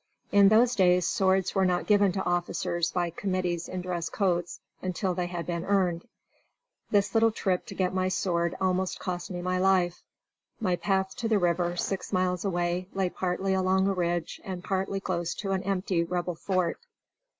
In those days swords were not given to officers by committees in dress coats, until they had been earned. This little trip to get my sword almost cost me my life. My path to the river, six miles away, lay partly along a ridge and partly close to an empty Rebel fort.